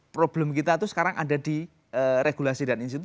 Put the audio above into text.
problem kita itu sekarang ada di regulasi dan institusi